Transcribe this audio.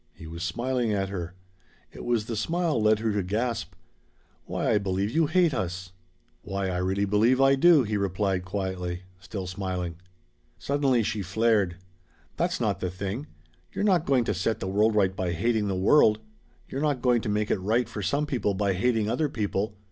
He was smiling at her. It was the smile led her to gasp: "Why I believe you hate us!" "Why I really believe I do," he replied quietly, still smiling. Suddenly she flared. "That's not the thing! You're not going to set the world right by hating the world. You're not going to make it right for some people by hating other people.